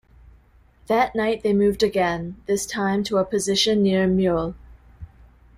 That night they moved again, this time to a position near Meulles.